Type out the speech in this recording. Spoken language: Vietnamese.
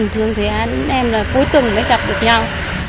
thường thì em là cuối tuần mới gặp được nhau